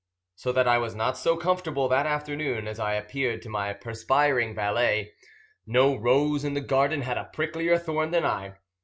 So that I was not so comfortable that afternoon as I appeared to my perspiring valet: no rose in the garden had a pricklier thorn than I.